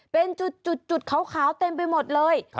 เป็นจุดขาวเต็มไปหมดเลย